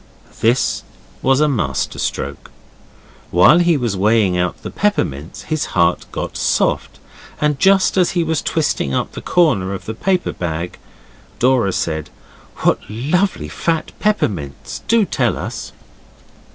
This was a master stroke. While he was weighing out the peppermints his heart got soft, and just as he was twisting up the corner of the paper bag, Dora said, 'What lovely fat peppermints! Do tell us.